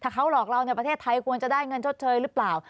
เขาหลอกเราในประเทศไทยควรจะได้เงินชดเชยหรือเปล่า